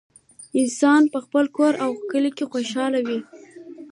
انسان په خپل کور او کلي کې خوشحاله وي